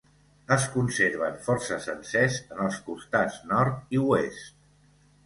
Es conserven força sencers en els costats nord i oest.